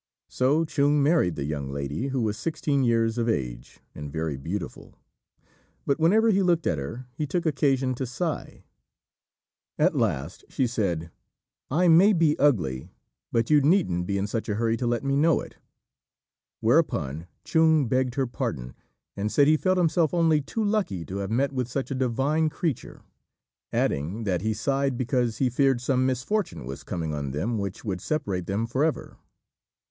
So Chung married the young lady, who was sixteen years of age, and very beautiful; but whenever he looked at her he took occasion to sigh. At last she said, "I may be ugly; but you needn't be in such a hurry to let me know it;" whereupon Chung begged her pardon, and said he felt himself only too lucky to have met with such a divine creature; adding that he sighed because he feared some misfortune was coming on them which would separate them for ever.